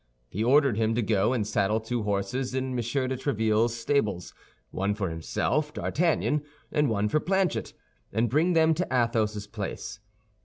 He ordered him to go and saddle two horses in M. de Tréville's stables—one for himself, D'Artagnan, and one for Planchet—and bring them to Athos's place.